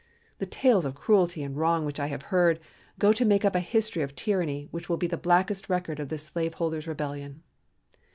The tales of cruelty and wrong which I have heard go to make up a history of tyranny which will be the blackest record of this slaveholders' rebellion.